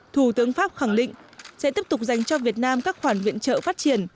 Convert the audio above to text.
thủ tướng pháp khẳng định sẽ tiếp tục dành cho việt nam các khoản viện trợ phát triển